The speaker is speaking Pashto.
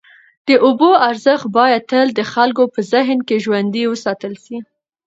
د اوبو ارزښت باید تل د خلکو په ذهن کي ژوندی وساتل سي.